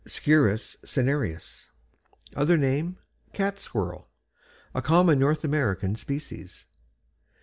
= Sciurus cinereus. Other name: "Cat Squirrel." A common North American species.